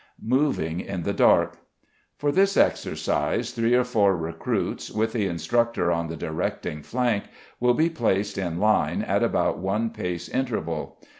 Moving in the Dark. For this exercise three or four recruits, with the instructor on the directing flank, will be placed in line at about one pace interval.